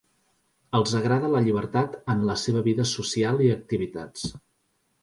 Els agrada la llibertat en la seva vida social i activitats.